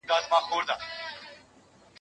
ډېر هوښیار وو د خپل کسب زورور وو